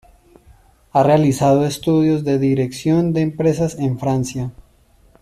Ha realizado estudios de Dirección de empresas en Francia.